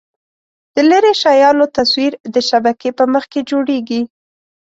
د لیرې شیانو تصویر د شبکیې په مخ کې جوړېږي.